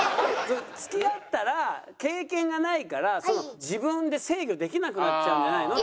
付き合ったら経験がないから自分で制御できなくなっちゃうんじゃないのって。